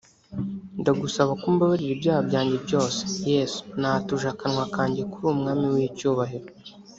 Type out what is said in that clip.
ndagusaba ngo umbabarire ibyaha byajye byose; Yesu natuje akanwa kanjye ko uri umwami w’icyubahiro